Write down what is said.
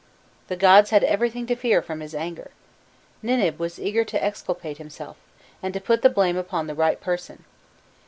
'" The gods had everything to fear from his anger: Ninib was eager to exculpate himself, and to put the blame upon the right person.